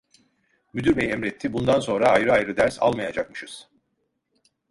Müdür bey emretti, bundan sonra ayrı ayrı ders almayacakmışız.